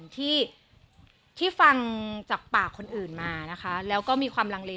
ที่ฟังจากปากคนอื่นมานะคะแล้วก็มีความลังเล